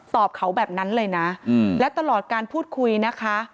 เขาแบบนั้นเลยนะและตลอดการพูดคุยนะคะ